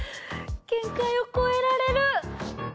限界をこえられる！